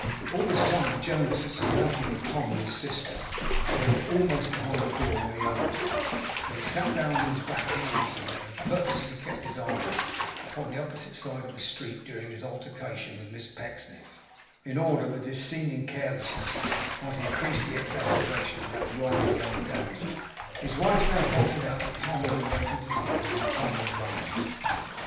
All this time Jonas had seen nothing of Tom and his sister; for they were almost behind the door when he opened it, and he had sat down with his back towards them, and had purposely kept his eyes upon the opposite side of the street during his altercation with Miss Pecksniff, in order that his seeming carelessness might increase the exasperation of that wronged young damsel. His wife now faltered out that Tom had been waiting to see him; and Tom advanced.